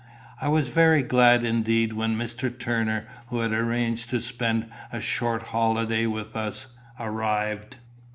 I was very glad indeed when Mr. Turner, who had arranged to spend a short holiday with us, arrived.